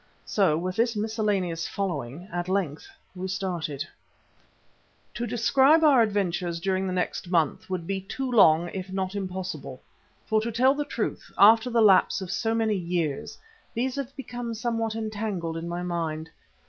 So with this miscellaneous following at length we started. [*] To my sorrow we never saw this ivory again. A.Q. To describe our adventures during the next month would be too long if not impossible, for to tell the truth, after the lapse of so many years, these have become somewhat entangled in my mind.